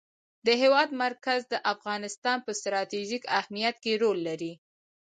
د هېواد مرکز د افغانستان په ستراتیژیک اهمیت کې رول لري.